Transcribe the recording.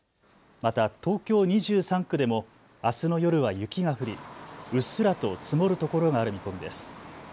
また東京２３区でもあすの夜は雪が降り、うっすらと積もるところがある見込みです。